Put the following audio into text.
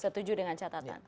setuju dengan catatan